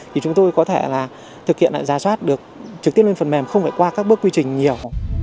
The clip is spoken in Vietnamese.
thì chúng tôi có thể thực hiện ra soát được trực tiếp lên phần mềm không phải qua các bước quy trình nhiều